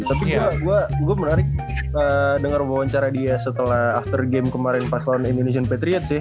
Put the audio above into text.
tapi gua menarik denger wawancara dia setelah after game kemarin pas lawan indonesian patriots ya